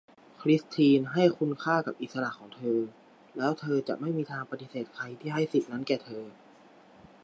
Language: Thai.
คริสทีนให้คุณค่ากับอิสระของเธอ แล้วเธอจะไม่มีทางปฏิเสธใครที่ให้สิทธิ์นั้นแก่เธอ